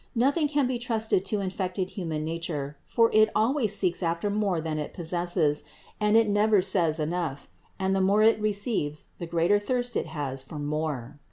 Nothing can be trusted to infected human nature; for it 2 38 494 CITY OF GOD always seeks after more than it possesses, and it never says enough, and the more it receives the greater thirst it has for more.